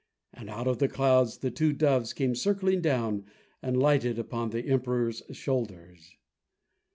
And out of the clouds the two doves came circling down and lighted upon the Emperor's shoulders.